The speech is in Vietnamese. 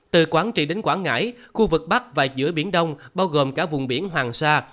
từ quảng trị đến quảng ngãi khu vực bắc và giữa biển đông bao gồm cả vùng biển hoàng sa